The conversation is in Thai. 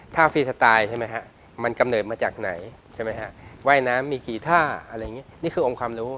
ฟรีสไตล์ใช่ไหมฮะมันกำเนิดมาจากไหนใช่ไหมฮะว่ายน้ำมีกี่ท่าอะไรอย่างนี้นี่คือองค์ความรู้